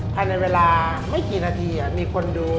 ภายในเวลาไม่กี่นาทีมีคนดู